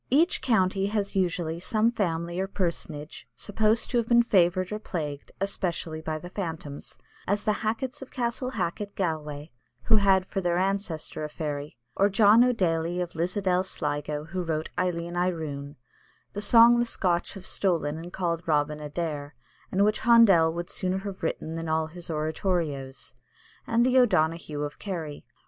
Each county has usually some family, or personage, supposed to have been favoured or plagued, especially by the phantoms, as the Hackets of Castle Hacket, Galway, who had for their ancestor a fairy, or John o' Daly of Lisadell, Sligo, who wrote "Eilleen Aroon," the song the Scotch have stolen and called "Robin Adair," and which Handel would sooner have written than all his oratorios, and the "O'Donahue of Kerry."